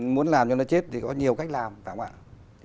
muốn làm cho nó chết thì có nhiều cách làm phải không ạ